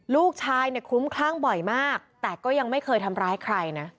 ลูกชายเนี่ยคลุ้มคลั่งบ่อยมากแต่ก็ยังไม่เคยทำร้ายใครนะ